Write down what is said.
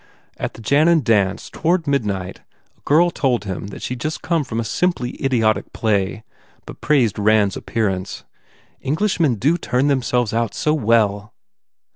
At the Jannan dance, toward midnight, a girl told him that she d just come from a "simply idiotic play" but praised Rand s appearance. "English men do turn themselves out so well."